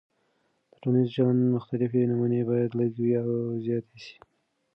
د ټولنیز چلند مختلفې نمونې باید لږې او زیاتې سي.